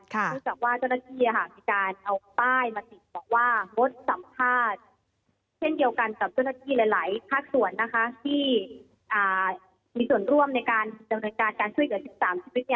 เพราะว่าเจ้าหน้าที่อาหารพิการเอาป้ายมาติดบอกว่ามดสัมภาษณ์เช่นเดียวกันกับเจ้าหน้าที่หลายภาคส่วนที่มีส่วนร่วมในการปฏิบัติการช่วยเกิด๑๓ชีวิต